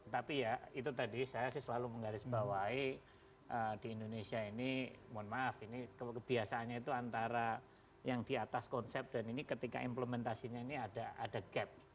tapi ya itu tadi saya sih selalu menggarisbawahi di indonesia ini mohon maaf ini kebiasaannya itu antara yang di atas konsep dan ini ketika implementasinya ini ada gap